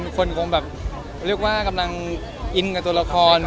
คนคงแบบกำลังอินกับตัวละคร